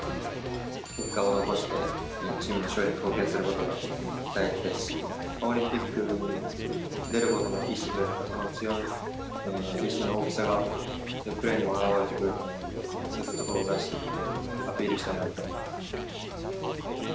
結果を残して、チームの勝利に貢献することが大事ですし、オリンピックに出ることの意思というか、意思の大きさが、プレーにも表れてくると思うので、そういったところを出していって、アピールしたいなと。